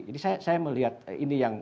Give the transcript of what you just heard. jadi saya melihat ini yang